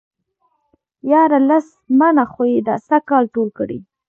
ياره لس منه خو يې دا سږ کال ټول کړي.